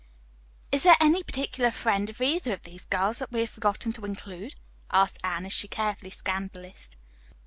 "Is there any particular friend of either of these girls that we have forgotten to include?" asked Anne, as she carefully scanned the list.